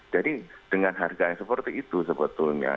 jadi dengan harga yang seperti itu sebetulnya